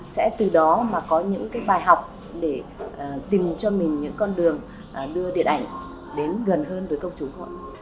sẽ từ đó mà có những cái bài học để tìm cho mình những con đường đưa điện ảnh đến gần hơn với công chúng không ạ